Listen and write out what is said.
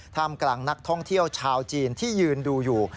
ท่ามกลางนักท่องเที่ยวชาวจีนที่ยืนดูอยู่